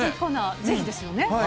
ぜひですよね。